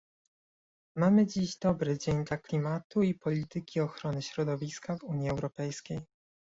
Mamy dziś dobry dzień dla klimatu i polityki ochrony środowiska w Unii Europejskiej